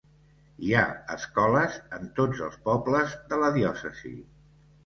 Hi ha escoles en tots els pobles de la diòcesi.